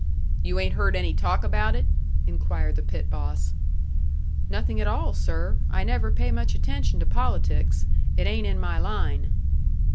"You ain't heard any talk about it?" inquired the pit boss. "Nothing at all, sir. I never pay much attention to politics it ain't in my line."